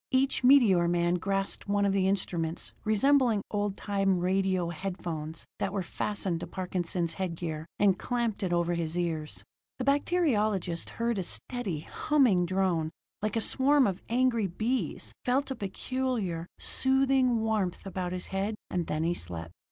Each meteor man grasped one of the instruments resembling old time radio head phones that were fastened to Parkinson's head gear, and clamped it over his ears. The bacteriologist heard a steady, humming drone, like a swarm of angry bees felt a peculiar, soothing warmth about his head; and then he slept.